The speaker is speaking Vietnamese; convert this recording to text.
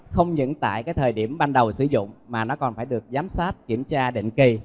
không những tại thời điểm ban đầu sử dụng mà nó còn phải được giám sát kiểm tra định kỳ